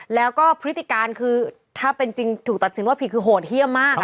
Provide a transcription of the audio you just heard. แล้วก็พฤติการคือถ้าเป็นจริงถูกตัดสินว่าผิดคือโหดเยี่ยมมาก